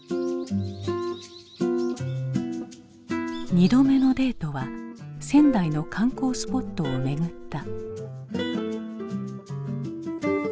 ２度目のデートは仙台の観光スポットを巡った。